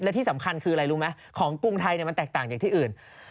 และที่สำคัญคืออะไรรู้ไหมของกรุงไทยมันแตกต่างจากที่อื่น